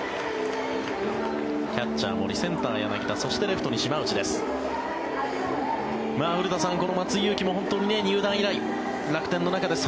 キャッチャー、森センター、柳田そして、レフトに島内です。